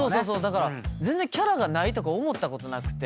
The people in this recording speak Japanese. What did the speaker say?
だから全然キャラがないとか思ったことなくて。